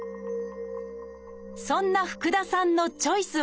そんな福田さんのチョイスは？